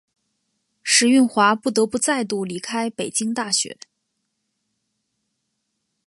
石蕴华不得不再度离开北京大学。